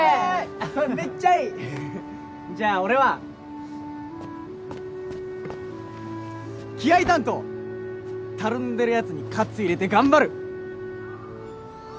それめっちゃいいじゃあ俺は気合い担当たるんでるやつに活入れて頑張る